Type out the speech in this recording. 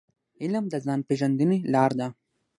علم د ځان پېژندني لار ده.